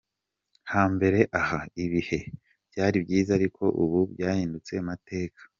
Ha mbere aha, ibihe byari byiza ariko ubu byahindutse amateka.